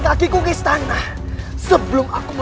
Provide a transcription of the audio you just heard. masuklah ke dalam